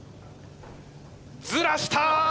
ずらした！